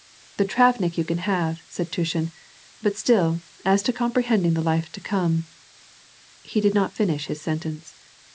" The travnik you can have," said Tushin, " but still, as to comprehending the life to come "— He did not finish his sentence.